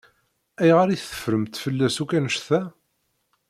Ayɣer i teffremt fell-as akk annect-a?